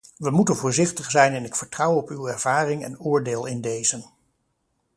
We moeten voorzichtig zijn en ik vertrouw op uw ervaring en oordeel in dezen.